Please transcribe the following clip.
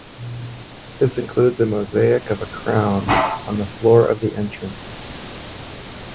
This includes a mosaic of a Crown on the floor of the entrance.